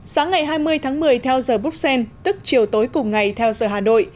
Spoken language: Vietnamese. sáng ngày hai mươi tháng một mươi theo giờ bruxelles tức chiều tối cùng ngày theo giờ hà nội